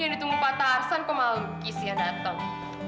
yang ditunggu patah arsan kok mau isian datang